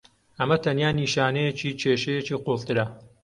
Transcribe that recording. ئەمە تەنیا نیشانەیەکی کێشەیەکی قوڵترە.